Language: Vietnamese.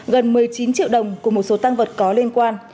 gần một mươi chín triệu đồng cùng một số tăng vật có liên quan